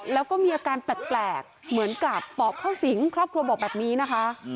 แล้วก็มีอาการแปลกเหมือนกับปอบเข้าสิงครอบครัวบอกแบบนี้นะคะ